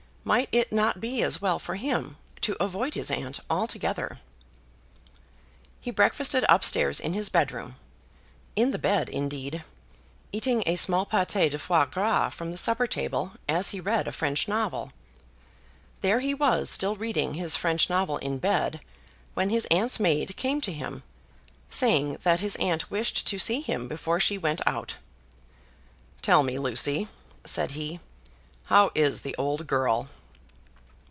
Might it not be as well for him to avoid his aunt altogether? He breakfasted up stairs in his bedroom, in the bed, indeed, eating a small paté de foie gras from the supper table, as he read a French novel. There he was still reading his French novel in bed when his aunt's maid came to him, saying that his aunt wished to see him before she went out. "Tell me, Lucy," said he, "how is the old girl?"